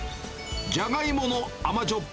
じゃがいもの甘じょっ